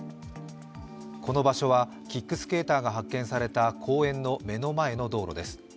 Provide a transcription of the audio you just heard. この場所はキックスケーターが発見された公園の目の前の道路です。